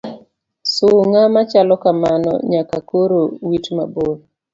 Sung'a machalo kamano nyaka koro wit mabor.